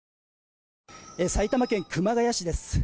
埼玉県熊谷市です。